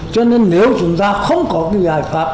cho nên nếu chúng ta không có giải pháp